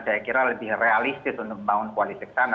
saya kira lebih realistis untuk membangun koalisi bersama